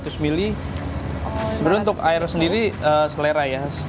sebenarnya untuk air sendiri selera ya